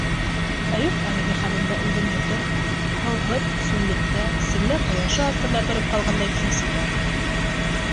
Әйүп әлеге хәлендә үҙен йотом һыуһыҙ, сүллектә, селлә ҡояшы аҫтында тороп ҡалғандай хис итә.